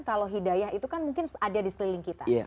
kalau hidayah itu kan mungkin ada di seliling kita